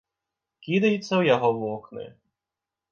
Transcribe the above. Кідаецца ў яго вокны.